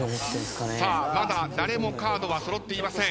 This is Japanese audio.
さあまだ誰もカードは揃っていません。